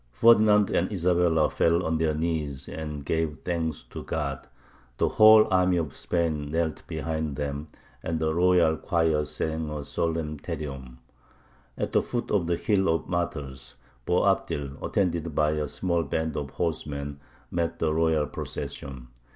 Ferdinand and Isabella fell on their knees and gave thanks to God; the whole army of Spain knelt behind them, and the royal choir sang a solemn Te Deum. At the foot of the Hill of Martyrs, Boabdil, attended by a small band of horsemen, met the royal procession.